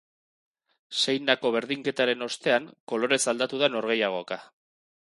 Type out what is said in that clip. Seinako berdinketaren ostean kolorez aldatu da norgehiagoka.